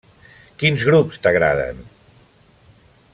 Quins grups t'agraden?